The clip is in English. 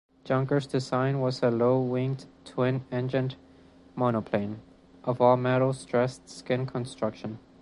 Junkers' design was a low-winged twin engined monoplane, of all-metal stressed skin construction.